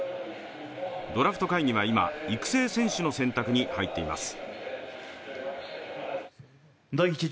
ドラフト会議は今育成選手の選択に入っています。